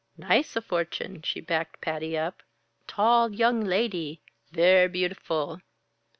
"Nice a fortune," she backed Patty up. "Tall young lady. Ver' beautiful."